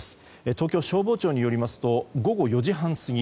東京消防庁によりますと午後４時半過ぎ